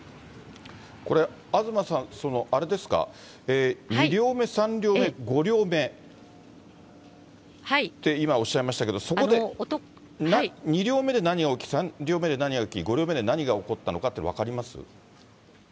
これ、東さん、あれですか、２両目、３両目、５両目って今、おっしゃいましたけど、そこで２両目で何が起き、３両目で何が起き、５両目で何が起こったのかって分かります？